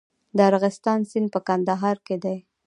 د ارغستان سیند په کندهار کې دی